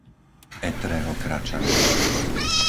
Etreho Kračany